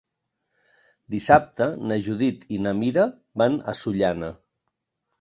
Dissabte na Judit i na Mira van a Sollana.